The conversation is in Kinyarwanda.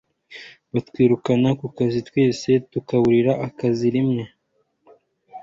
bakwirukana kukazi twese tukaburira akazi rimwe